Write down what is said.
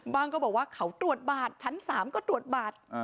ก็บอกว่าเขาตรวจบาทชั้น๓ก็ตรวจบาท